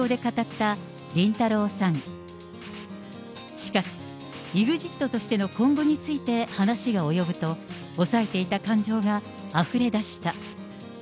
しかし、ＥＸＩＴとしての今後について、話が及ぶと、抑えていた感情があふれ出した。